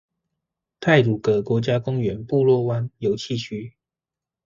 太魯閣國家公園布洛灣遊憩區